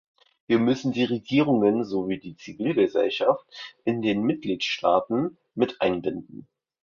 Wir müssen die Regierungen sowie die Zivilgesellschaft in den Mitgliedstaaten mit einbinden.